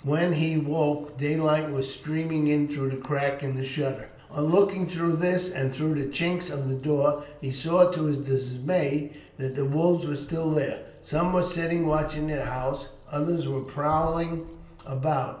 When he woke daylight was streaming in through a crack in the shutter. On looking through this and through the chinks of the door, he saw to his dismay that the wolves were still there. Some were sitting watching the house; others were prowling about.